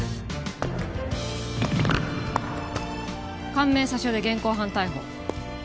官名詐称で現行犯逮捕。